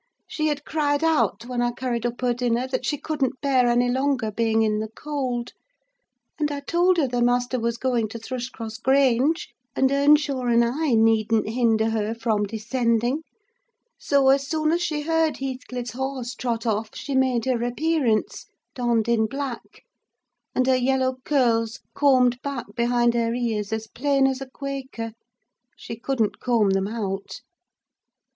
She had cried out, when I carried up her dinner, that she couldn't bear any longer being in the cold; and I told her the master was going to Thrushcross Grange, and Earnshaw and I needn't hinder her from descending; so, as soon as she heard Heathcliff's horse trot off, she made her appearance, donned in black, and her yellow curls combed back behind her ears as plain as a Quaker: she couldn't comb them out.